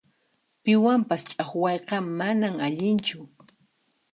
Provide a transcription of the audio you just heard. Piwanpas ch'aqwayqa manan allinchu.